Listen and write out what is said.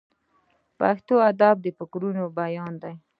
پښتو ادب د فکرونو بیان دی.